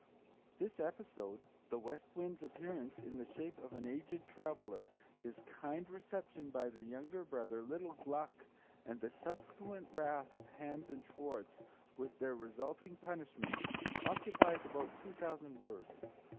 This episode, the West Wind's appearance in the shape of an aged traveller, his kind reception by the younger brother, little Gluck, and the subsequent wrath of Hans and Schwartz, with their resulting punishment, occupies about two thousand words.